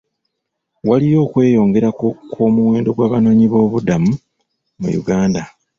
Waliyo okweyongera kw'omuwendo gw'Abanoonyi boobubudamu mu Uganda.